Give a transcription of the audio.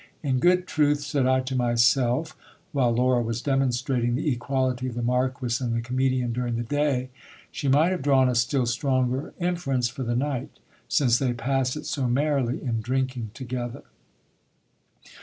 In good truth, said I to myself, while Laura was demonstrating the equality of the Marquis and the comedian during the day, she might have drawn a still stronger inference for the night, since they pass it so merrily in drinking together.